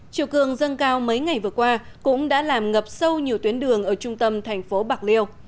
chiều cường dâng cao mấy ngày vừa qua cũng đã làm ngập sâu nhiều tuyến đường ở trung tâm thành phố bạc liêu